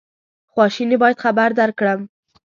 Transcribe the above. خواشیني باید خبر درکړم.